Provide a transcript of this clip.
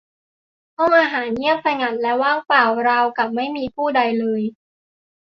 ห้องอาหารเงียบสงัดและว่างเปล่าราวกับไม่มีผู้ใดเลย